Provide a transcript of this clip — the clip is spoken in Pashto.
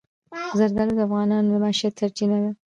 زردالو د افغانانو د معیشت سرچینه ده.